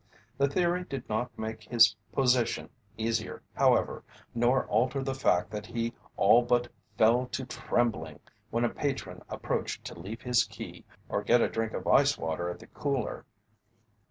The theory did not make his position easier, however, nor alter the fact that he all but fell to trembling when a patron approached to leave his key or get a drink of ice water at the cooler.